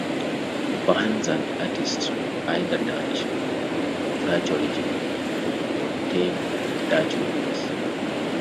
The bands and artists are either Dutch, of Dutch origin or contain Dutch members.